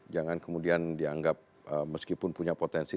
jangan kemudian dianggap meskipun punya potensi